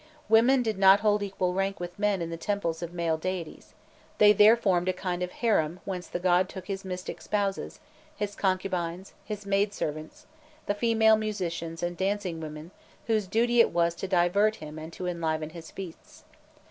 Women did not hold equal rank with men in the temples of male deities; they there formed a kind of harem whence the god took his mystic spouses, his concubines, his maidservants, the female musicians and dancing women whose duty it was to divert him and to enliven his feasts.